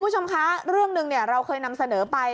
คุณผู้ชมคะเรื่องหนึ่งเราเคยนำเสนอไป